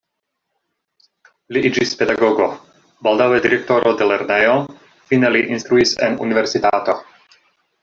Li iĝis pedagogo, baldaŭe direktoro de lernejo, fine li instruis en universitato.